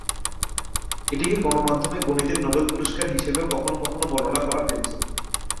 এটিকে গণমাধ্যমে গণিতের নোবেল পুরস্কার হিসেবেও কখনও কখনও বর্ণনা করা হয়েছে।